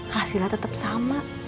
hasilnya tetap sama